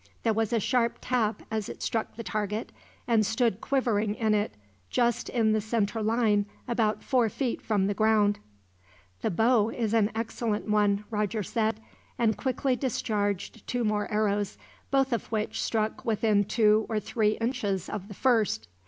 There was a sharp tap as it struck the target, and stood quivering in it just in the center line about four feet from the ground. "The bow is an excellent one," Roger said, and quickly discharged two more arrows, both of which struck within two or three inches of the first.